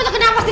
kamu kenapa sih